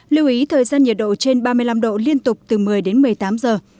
lưu ý thời gian nhiệt độ trên ba mươi năm độ liên tục từ một mươi đến một mươi tám giờ